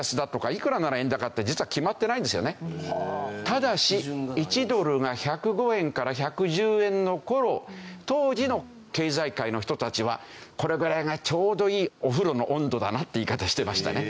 ただし１ドルが１０５円から１１０円の頃当時の経済界の人たちはこれぐらいがちょうどいいお風呂の温度だなって言い方してましたね。